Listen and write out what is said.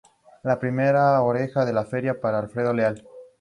Fue segundo en Japón.